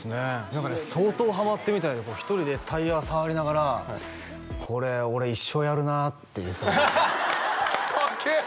何かね相当ハマってるみたいで１人でタイヤ触りながら「これ俺一生やるな」って言ってたかっけえ！